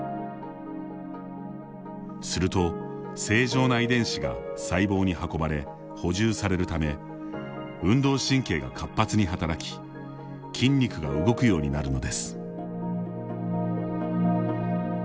すると、正常な遺伝子が細胞に運ばれ、補充されるため運動神経が活発に働き筋肉が動くようになるのです。